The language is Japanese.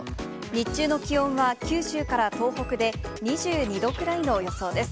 日中の気温は九州から東北で２２度くらいの予想です。